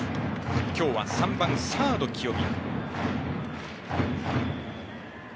今日は３番サード、清宮。